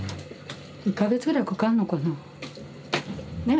１か月ぐらいかかんのかな。ね？